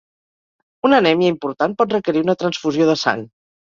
Una anèmia important pot requerir una transfusió de sang.